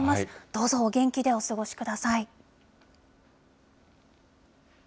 どうぞお元気でお過ごしください。